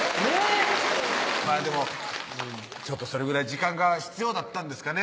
まぁでもちょっとそれぐらい時間が必要だったんですかね